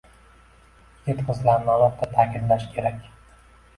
Yigit-qizlarni alohida taʼkidlash kerak